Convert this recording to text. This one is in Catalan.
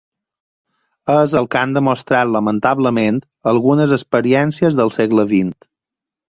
És el que han demostrat lamentablement algunes experiències del segle vint.